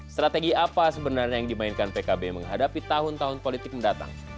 strategi apa sebenarnya yang dimainkan pkb menghadapi tahun tahun politik mendatang